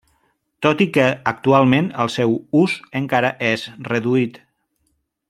Tot i que actualment el seu ús encara és reduït.